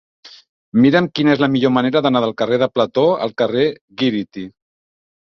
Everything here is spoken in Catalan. Mira'm quina és la millor manera d'anar del carrer de Plató al carrer Gíriti.